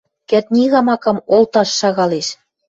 Кӹртни камакам олташ шагалеш.